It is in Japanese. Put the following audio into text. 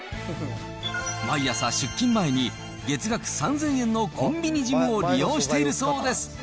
毎朝出勤前に、月額３０００円のコンビニジムを利用しているそうです。